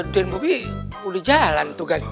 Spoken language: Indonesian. dan bobi udah jalan tuh gan